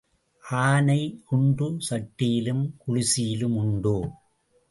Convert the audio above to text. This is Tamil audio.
ஆனை குண்டு சட்டியிலும் குழிசியிலும் உண்டோ?